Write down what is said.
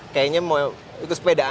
kayaknya mau itu sepeda